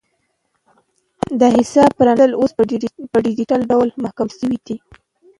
د حساب پرانیستل اوس په ډیجیټل ډول ممکن شوي دي.